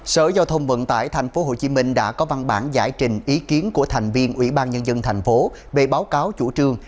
sở giao thông vận tải tp hcm đã có văn bản giải trình ý kiến của thành viên ủy ban nhân dân tp về báo cáo chủ trương